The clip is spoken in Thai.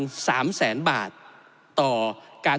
ที่เราจะต้องลดความเหลื่อมล้ำโดยการแก้ปัญหาเชิงโครงสร้างของงบประมาณ